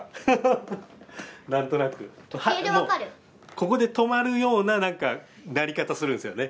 ここで止まるような何か鳴り方するんですよね